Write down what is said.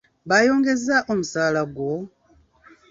Bayongezza omusaala gwo?